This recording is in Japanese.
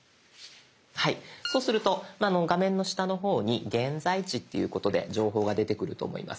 はいそうすると画面の下の方に「現在地」っていうことで情報が出てくると思います。